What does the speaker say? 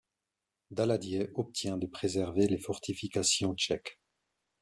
Daladier obtient de préserver les fortifications tchèques.